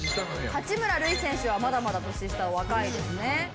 八村塁選手はまだまだ年下若いですね。